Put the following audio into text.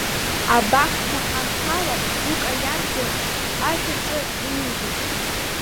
Абахҭа ҳанҭала Зука иабџьар ашәаҿы инижьит.